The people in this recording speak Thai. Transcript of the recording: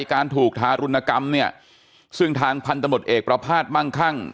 การถูกทารุณกรรมเนี่ยซึ่งทางพันธมตเอกประภาษณ์มั่งคั่ง